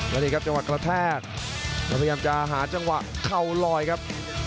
แล้วนี่ครับจังหวะกระแทกแล้วพยายามจะหาจังหวะเข่าลอยครับ